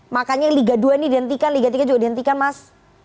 makanya liga dua ini dihentikan liga tiga juga dihentikan mas